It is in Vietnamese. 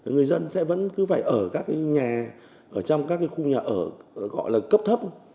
người dân sẽ vẫn cứ phải ở các nhà ở trong các khu nhà ở gọi là cấp thấp